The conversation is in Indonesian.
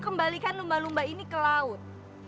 kembalikan lumba lumba ini ke laut